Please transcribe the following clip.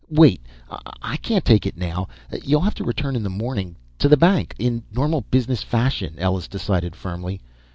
"Wait I can't take it now, you'll have to return in the morning, to the bank. In normal business fashion," Ellus decided firmly.